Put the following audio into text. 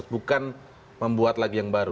bukan membuat lagi yang baru